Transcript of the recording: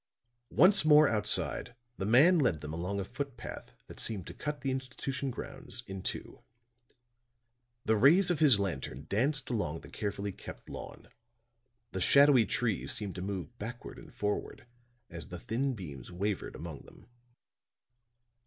Once more outside, the man led them along a foot path that seemed to cut the institution grounds in two. The rays of his lantern danced along the carefully kept lawn; the shadowy trees seemed to move backward and forward, as the thin beams wavered among them.